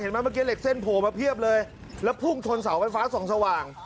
เมื่อกี้เหล็กเส้นโผล่มาเพียบเลยแล้วพุ่งชนเสาไฟฟ้าส่องสว่าง